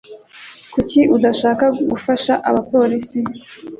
Kuki udashaka gufasha abapolisi?